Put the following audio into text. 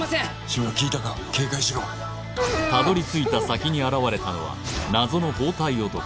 志村聞いたか警戒しろたどりついた先に現れたのは謎の包帯男